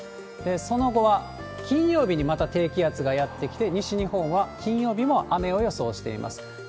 その後は金曜日にまた低気圧がやって来て、西日本は金曜日も雨を予想しています。